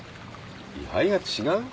位牌が違う？